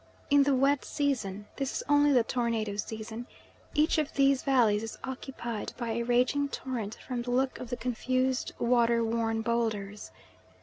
In the wet season (this is only the tornado season) each of these valleys is occupied by a raging torrent from the look of the confused water worn boulders.